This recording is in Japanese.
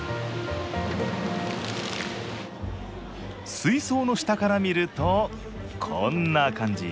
水槽の下から見るとこんな感じ。